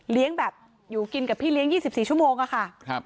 แบบอยู่กินกับพี่เลี้ยง๒๔ชั่วโมงอะค่ะ